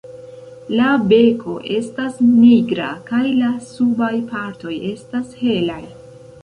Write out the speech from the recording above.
La beko estas nigra kaj la subaj partoj estas helaj.